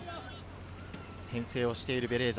先制しているベレーザ。